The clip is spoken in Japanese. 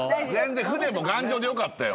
船も頑丈でよかったよ。